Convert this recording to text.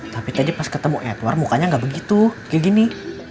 tapi tadi pas ketemu edward mukanya nggak begitu kayak gini